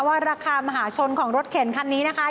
ว่าราคามหาชนของรถเข็นคันนี้นะคะ